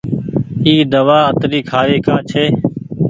اي دوآ اتري کآري ڪآ ڇي۔